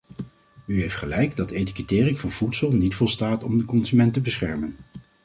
U heeft gelijk dat etikettering van voedsel niet volstaat om de consument te beschermen.